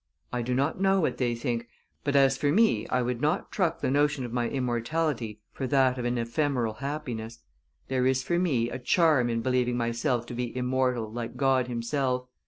I know not what they think, but as for me I would not truck the notion of my immortality for that of an ephemeral happiness. There is for me a charm in believing myself to be immortal like God himself.